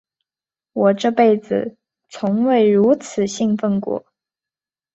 我这辈子从未如此兴奋过。